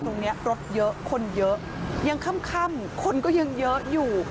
ทุ่มตรงนี้รถเยอะคนเยอะยังค่ำคนก็ยังเยอะอยู่